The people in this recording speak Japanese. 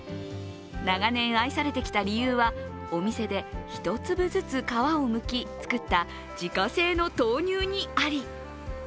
長年愛されてきた理由は、お店で１粒ずつ皮をむき作った自家製の豆乳にあり。